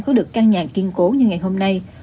có được căn nhà kiên cố như ngày hôm nay